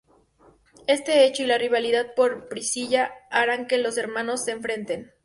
Este hecho y la rivalidad por Priscilla harán que los hermanos se enfrenten.